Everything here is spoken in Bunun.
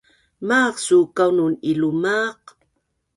Maaq suu kaunun ilumaq?